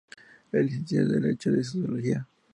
Es licenciado en Derecho y Sociología.